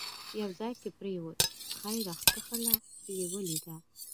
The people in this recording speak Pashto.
یو ځای کې پرېوت، پښه یې راکښله، یې ولیده.